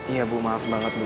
iya bu maaf banget bu